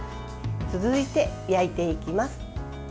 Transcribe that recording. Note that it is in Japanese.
続いて、焼いていきます。